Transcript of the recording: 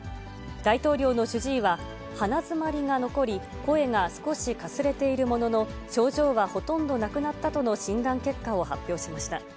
大統領の主治医は、鼻詰まりが残り、声が少しかすれているものの、症状はほとんどなくなったとの診断結果を発表しました。